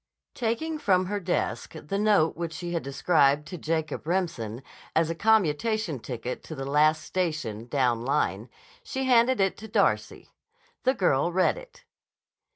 Taking from her desk the note which she had described to Jacob Remsen as a commutation ticket to the last station, down line, she handed it to Darcy. The girl read it.